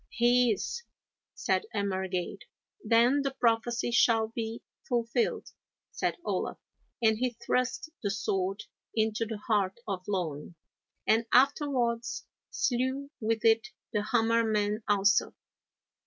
'He is,' said Emergaid. 'Then the prophecy shall be fulfilled,' said Olaf, and he thrust the sword into the heart of Loan, and afterwards slew with it the Hammer man also.